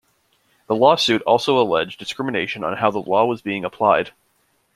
The lawsuit also alleged discrimination on how the law was being applied.